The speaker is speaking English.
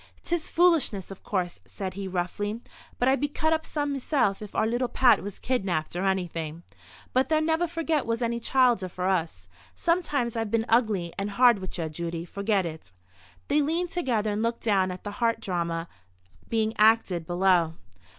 "'Tis foolishness, of course," said he, roughly, "but I'd be cut up some meself if our little Pat was kidnapped or anything. But there never was any childer for us. Sometimes I've been ugly and hard with ye, Judy. Forget it." They leaned together, and looked down at the heart drama being acted below.